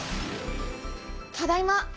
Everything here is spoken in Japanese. ただいま。